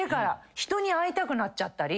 人に会いたくなっちゃったり。